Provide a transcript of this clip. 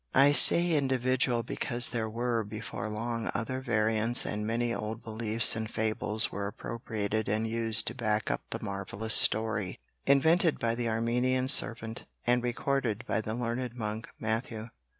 I say "individual" because there were before long other variants, and many old beliefs and fables were appropriated and used to back up the marvellous story, invented by the Armenian servant and recorded by the learned monk, Matthew.